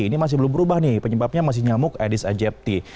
ini masih belum berubah nih penyebabnya masih nyamuk aedis aegypti